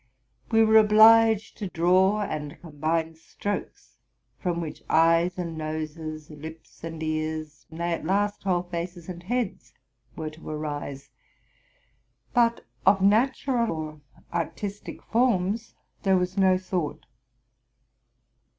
We were obliged to draw and combine strokes, from which eyes and noses, lips and ears, nay, at last, whole faces and heads, were to arise; but of natural or artistic forms there was no thought.